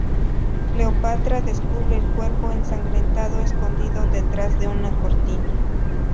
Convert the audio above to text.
Cleopatra descubre el cuerpo ensangrentado escondido detrás de una cortina.